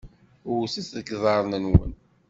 Wtet deg iḍarren-nwen!